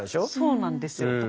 そうなんですよ。